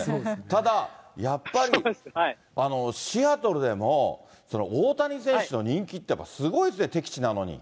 ただ、やっぱり、シアトルでも、大谷選手の人気ってのはすごいですね。